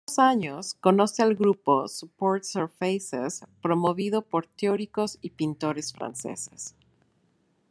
Por estos años conoce al grupo Supports-surfaces, promovido por teóricos y pintores franceses.